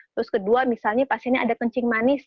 terus kedua misalnya pasiennya ada kencing manis